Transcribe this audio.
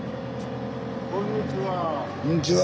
こんにちは。